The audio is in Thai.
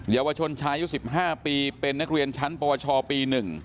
เยาวชนชายุ๑๕ปีเป็นนักเรียนชั้นปวชปี๑